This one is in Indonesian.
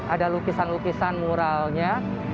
ada lukisan lukisan muralnya